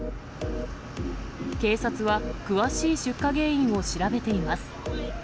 警察は詳しい出火原因を調べています。